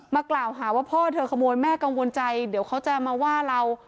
กล่าวหาว่าพ่อเธอขโมยแม่กังวลใจเดี๋ยวเขาจะมาว่าเรา